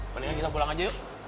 mendingan kita pulang aja yuk